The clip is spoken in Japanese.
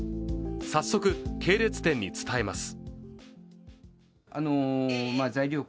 早速、系列店に伝えます。